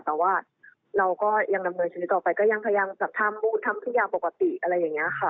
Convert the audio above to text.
แต่ว่าเราก็ยังดำเนินชีวิตต่อไปก็ยังพยายามจัดทำขึ้นยาปกติอะไรอย่างนี้ค่ะ